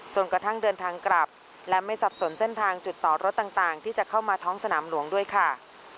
กระทั่งเดินทางกลับและไม่สับสนเส้นทางจุดต่อรถต่างที่จะเข้ามาท้องสนามหลวงด้วยค่ะ